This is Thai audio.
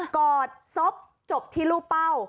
กอดศพจบที่รูปเป้า